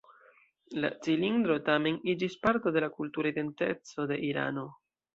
La cilindro, tamen, iĝis parto de la kultura identeco de Irano.